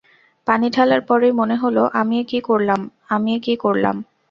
পানি ঢালার পরই মনে হল আমি এ কী করলাম, আমি এ কী করলাম!